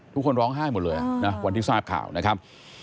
ทุกคนร้องไห้หมดเลยนะวันที่ทราบข่าวนะครับ